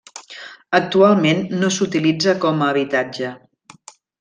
Actualment no s'utilitza com a habitatge.